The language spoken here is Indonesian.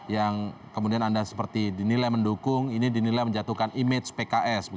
yang kemudian anda seperti dinilai mendukung ini dinilai menjatuhkan image pks